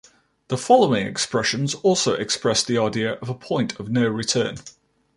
The following expressions also express the idea of a point of no return.